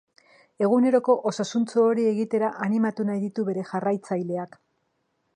Eguneroko osasuntsu hori egitera animatu nahi ditu bere jarraitzaileak.